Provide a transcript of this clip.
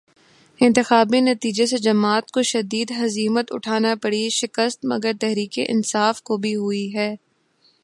انتخابی نتیجے سے جماعت کو شدید ہزیمت اٹھانا پڑی، شکست مگر تحریک انصاف کو بھی ہوئی ہے۔